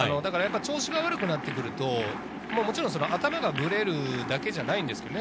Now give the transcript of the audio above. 調子が悪くなってくると、頭がブレるだけじゃないんですよね。